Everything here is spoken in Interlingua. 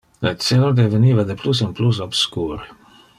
Le celo deveniva de plus in plus obscur.